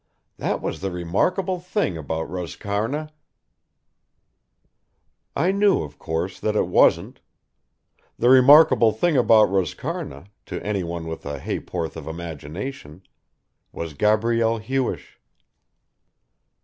That was the remarkable thing about Roscarna...." I knew, of course, that it wasn't. The remarkable thing about Roscarna, to anyone with a ha'porth of imagination, was Gabrielle Hewish.